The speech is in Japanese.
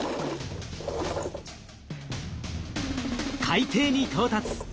海底に到達！